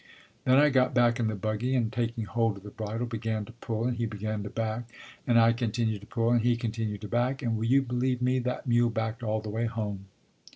Then I got back in the buggy and taking hold of the bridle began to pull, and he began to back; and I continued to pull, and he continued to back; and will you believe me, that mule backed all the way home!